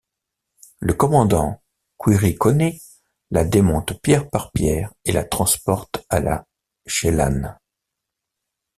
Le commandant Quiriconi la démonte pierre par pierre et la transporte à la Cheylane.